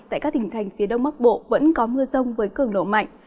tại các tỉnh thành phía đông bắc bộ vẫn có mưa rông với cường độ mạnh